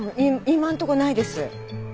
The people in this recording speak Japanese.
今んとこないです。